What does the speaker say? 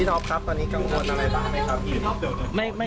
เยันดีมาก